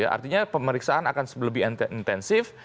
artinya pemeriksaan akan lebih intensif